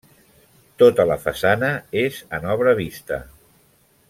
Tota la façana és en obra vista.